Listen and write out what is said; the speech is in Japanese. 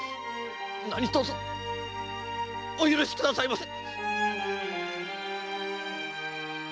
何卒お許しくださいませ！